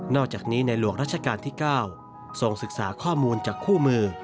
อกจากนี้ในหลวงรัชกาลที่๙ทรงศึกษาข้อมูลจากคู่มือ